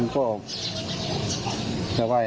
ก็ได้